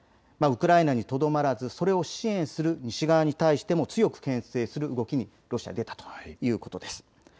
ウクライナにとどまらずそれを支援する西側に対しても強くけん制する動きにロシアは出たということです。